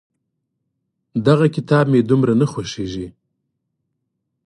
دغه کتاب مې دومره نه خوښېږي.